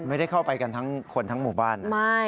ไม่ได้เข้าไปกันทั้งคนทั้งหมู่บ้าน